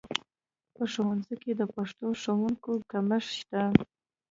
په ښوونځیو کې د پښتو ښوونکو کمښت شته